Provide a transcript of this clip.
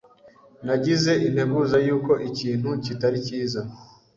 Nagize integuza yuko ikintu kitari cyiza.